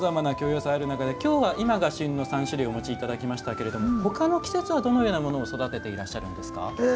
野菜ある中できょうは、今が旬の３種類をお持ちいただきましたがほかの季節はどのようなものを育てていらっしゃるんですか？